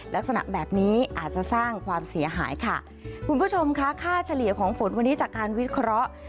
ลักษณะแบบนี้อาจจะสร้างความเสียหายค่ะคุณผู้ชมค่ะค่าเฉลี่ยของฝนวันนี้จากการวิเคราะห์